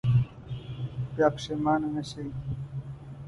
بیا پښېمانه نه شئ.